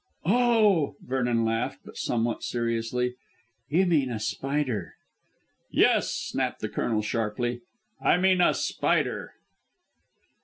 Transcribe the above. "Oh!" Vernon laughed, but somewhat seriously. "You mean a spider." "Yes," snapped the Colonel sharply, "I mean a spider."